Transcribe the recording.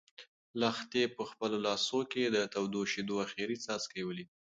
لښتې په خپلو لاسو کې د تودو شيدو اخري څاڅکی ولید.